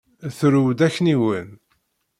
Turew-d akniwen.